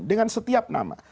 dengan setiap nama